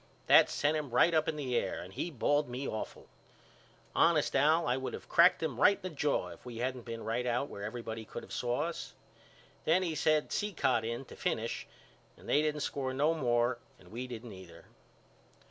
That sent him right up in the air and he bawled me awful. Honest Al I would of cracked him right in the jaw if we hadn't been right out where everybody could of saw us. Well he sent Cicotte in to finish and they didn't score no more and we didn't either.